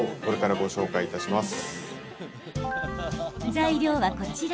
材料は、こちら。